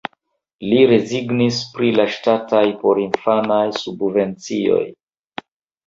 Li rezignis pri la ŝtataj porinfanaj subvencioj.